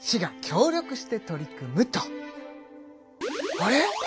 あれ！？